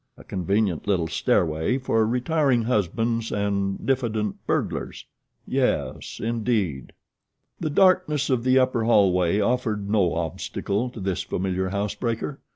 A convenient little stairway for retiring husbands and diffident burglars yes, indeed! The darkness of the upper hallway offered no obstacle to this familiar housebreaker.